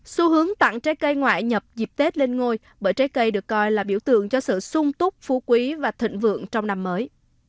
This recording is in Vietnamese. xu hướng tặng trái cây ngoại nhập dịp tết lên ngôi bởi trái cây được coi là biểu tượng cho sự sung túc phú quý và thịnh vượng trong năm mới